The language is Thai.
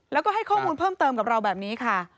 แล้วก็ให้ข้อมูลเพิ่มเติมกับเราแบบนี้ค่ะ